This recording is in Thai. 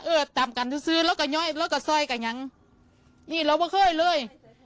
ตามกันซื้อแล้วก็ย่อยแล้วก็ซอยก็ยังนี่เราไม่เคยเลย